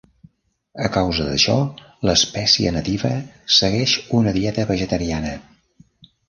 A causa d'això, l'espècie nativa segueix una dieta vegetariana.